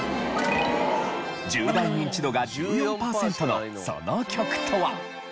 １０代ニンチドが１４パーセントのその曲とは。